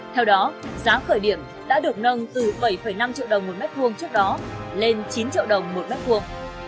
theo đó giá khởi điểm đã được nâng từ bảy năm triệu đồng một mét vuông trước đó lên chín triệu đồng một mét vuông